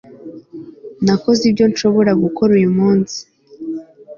Nakoze ibyo nshobora gukora uyu munsi